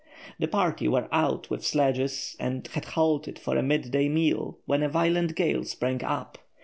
The party were out with sledges and had halted for the midday meal when a violent gale sprang up.